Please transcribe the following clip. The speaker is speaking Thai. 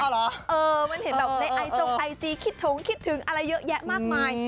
มันเห็นแบบในไอจงไอจีคิดถงคิดถึงอะไรเยอะแยะมากมาย